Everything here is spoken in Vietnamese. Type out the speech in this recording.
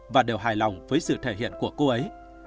và đều hài lòng với sự thể hiện của cô ấy